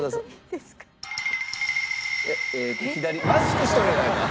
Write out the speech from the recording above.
マスクしとるやないか！